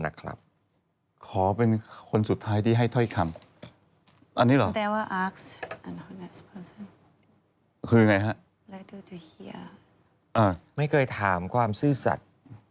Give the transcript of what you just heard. คำถามที่คุณไม่พร้อมที่จะได้ยินคำตอบที่ซื่อสัตว์